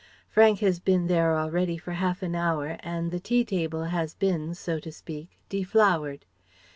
Frank has been there already for half an hour, and the tea table has been, so to speak, deflowered.